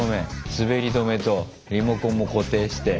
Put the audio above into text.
滑り止めとリモコンも固定して。